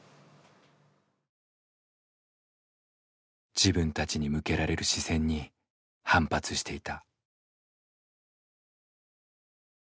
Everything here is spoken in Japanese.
自分たちに向けられる視線に反発していた。